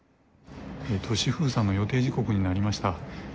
都市封鎖の予定時刻になりました。